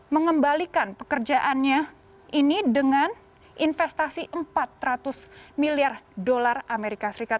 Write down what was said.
mengembalikan pekerjaannya ini dengan investasi empat ratus miliar dolar amerika serikat